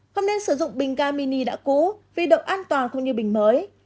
không nên sử dụng bình ga mini đã cũ vì động an toàn không như bình mới